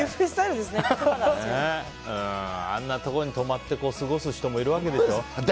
あんなところに泊まって過ごす人もいるわけでしょ。